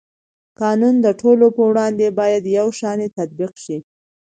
قانون د ټولو په وړاندې باید یو شان تطبیق شي.